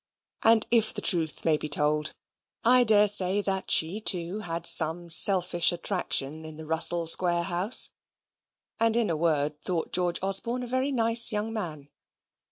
And if the truth may be told, I dare say that she too had some selfish attraction in the Russell Square house; and in a word, thought George Osborne a very nice young man.